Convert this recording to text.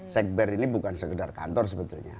sekber ini bukan sekedar kantor sebetulnya